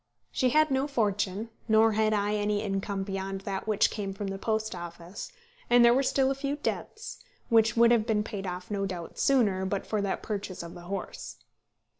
She had no fortune, nor had I any income beyond that which came from the Post Office; and there were still a few debts, which would have been paid off no doubt sooner, but for that purchase of the horse.